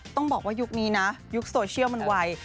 ต้องบอกว่ายุคนี้นะยุคโซเชียลมันไว